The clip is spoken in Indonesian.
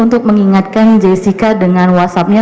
untuk mengingatkan jessica dengan whatsappnya